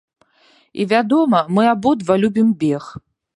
І, вядома, мы абодва любім бег.